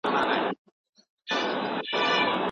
که په صحنه کي شور وي نو هغه غږ بند کړه.